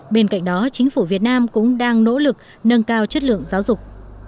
bên cạnh đó chính phủ việt nam cũng đang nỗ lực nâng cao chất lượng giáo dục